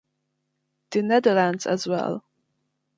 The Netherlands as well.